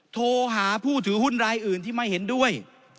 โทรหาผู้ถือหุ้นรายอื่นที่ไม่เห็นด้วย